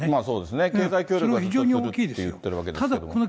そうですね、経済協力は非常に大きいと言っているわけですよね。